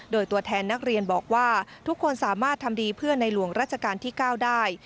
โดยตัวแทนนักเรียนบอกว่าทุกคนสามารถทำดีเพื่อในหลวงราชการที่๙ได้